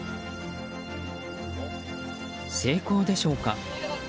成功でしょうか。